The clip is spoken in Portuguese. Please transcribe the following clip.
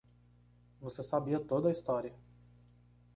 Você sabia toda a história.